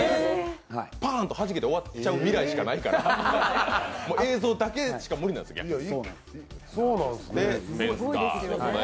パーンとはじけて終わっちゃう未来しかないから映像だけしか無理なんですって。